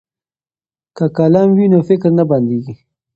که قلم وي نو فکر نه بندیږي.